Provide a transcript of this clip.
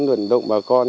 luận động bà con